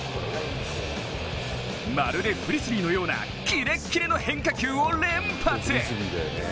まるでフリスビーのようなキレッキレの変化球を連発。